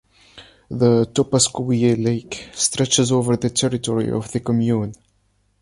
The Topaskoïé Lake stretches over the territory of the commune.